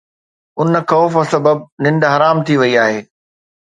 ان خوف سبب ننڊ حرام ٿي وئي آهي.